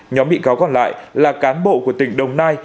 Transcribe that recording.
nhóm bị cáo còn lại là cán bộ của tỉnh đồng nai